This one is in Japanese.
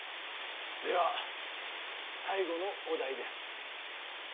では最後のお題です。